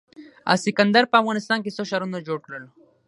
اسکندر په افغانستان کې څو ښارونه جوړ کړل